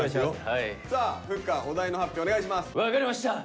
分かりました！